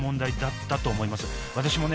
私もね